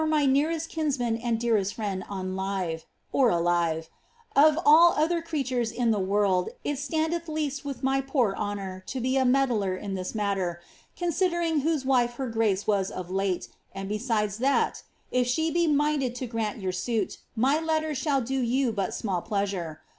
71 my nearoflt kinsman and dearest friend on fyve (ali^'e), of all other creatures in the world it standeth least M'ith my poor honour to be a medler in this matter, considering wlio«e wife her grace was of late, and besides that, if she be minded to grant >'our suit, my letters shall do you but small pleasure.